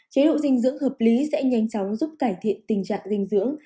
chế độ dinh dưỡng hợp lý sẽ nhanh chóng giúp cải thiện tình trạng dinh dưỡng